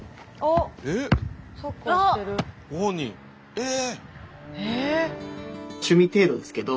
えっ！